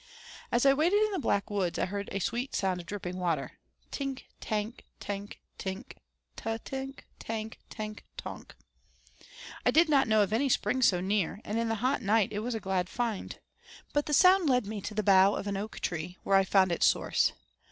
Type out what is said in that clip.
As I waited in the black woods I heard a sweet sound of dripping water: 'Tink tank tenk tink, Ta tink tank tenk tonk.' I did not know of any spring so near, and in the hot night it was a glad find. But the sound led me to the bough of a oak tree, where I found its source.